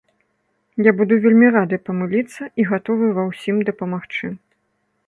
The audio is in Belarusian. Я буду вельмі рады памыліцца і гатовы ва ўсім дапамагчы.